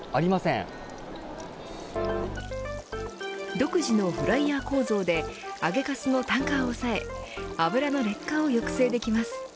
独自のフライヤー構造で揚げかすの炭化を抑え油の劣化を抑制できます。